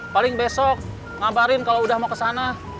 paling besok ngabarin kalau udah mau kesana